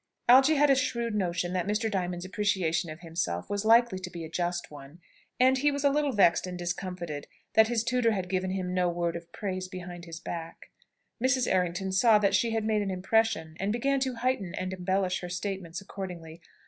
Algy had a shrewd notion that Mr. Diamond's appreciation of himself was likely to be a just one, and he was a little vexed and discomfited, that his tutor had given him no word of praise behind his back. Mrs. Errington saw that she had made an impression, and began to heighten and embellish her statements accordingly.